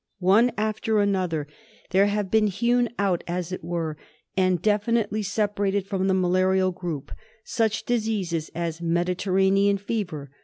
One after another there have been hewn out, as it were, and definitely separated from the malarial group such diseases as Mediterranean fever.